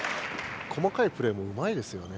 細かいプレーもうまいですよね。